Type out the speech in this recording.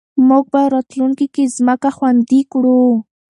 موږ به راتلونکې کې ځمکه خوندي کړو.